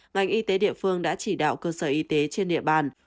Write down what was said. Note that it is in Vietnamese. ngành y tế địa phương đã chỉ đạo cơ sở y tế trên địa bàn